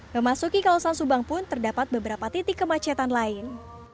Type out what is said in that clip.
memasuki kawasan subang pun terdapat beberapa titik kemacetan lain